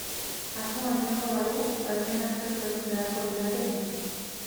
Asmoa izango balu baimena eskatu egin beharko lidake niri.